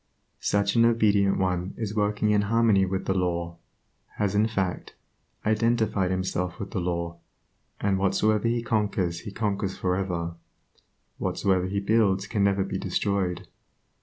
Such an obedient one is working in harmony with the law, has in fact, identified himself with the law, and whatsoever he conquers he conquers for ever, whatsoever he builds can never be destroyed.